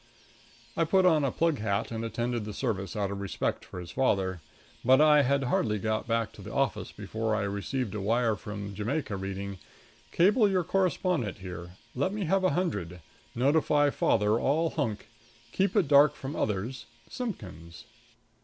I put on a plug hat and attended the service out of respect for his father. But I had hardly got back to the office before I received a wire from Jamaica, reading: "Cable your correspondent here let me have hundred. Notify father all hunk. Keep it dark from others. Simpkins."